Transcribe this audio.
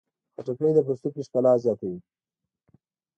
خټکی د پوستکي ښکلا زیاتوي.